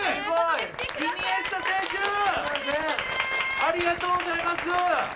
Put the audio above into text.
ありがとうございます！